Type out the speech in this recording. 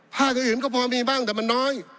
ภาคอื่นก็พอมีบ้างแต่มันน้อย